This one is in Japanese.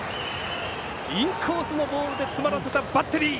インコースのボールで詰まらせたバッテリー。